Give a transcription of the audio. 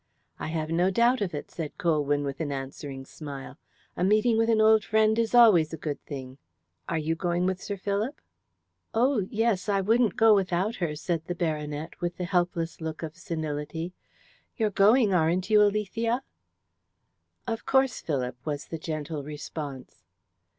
"I have no doubt of it," said Colwyn with an answering smile. "A meeting with an old friend is always a good thing. Are you going with Sir Philip?" "Oh, yes. I wouldn't go without her," said the baronet, with the helpless look of senility. "You're going, aren't you, Alethea?" "Of course, Philip," was the gentle response.